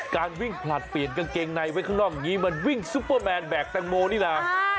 การวิ่งผลัดเปลี่ยนกางเกงในไว้ข้างนอกอย่างนี้มันวิ่งซุปเปอร์แมนแบบแตงโมนี่นะ